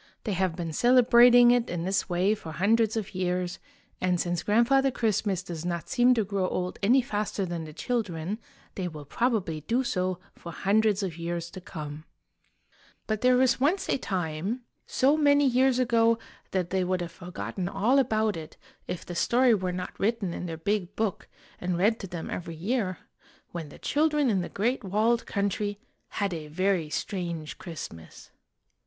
They 140 IN THE GREAT WALLED COUNTRY have been celebrating it in this way for hundreds of years, and since Grandfather Christmas does not seem to grow old any faster than the children, they will probably do so for hundreds of years to come. But there was once a time, so many years ago that they would have forgotten all about it if the story were not written in their Big Book and read to them every year, when the children in The Great Walled Country had a very strange Christmas.